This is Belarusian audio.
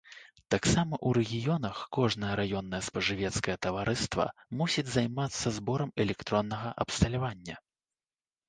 Таксама ў рэгіёнах кожнае раённае спажывецкае таварыства мусіць займацца зборам электроннага абсталявання.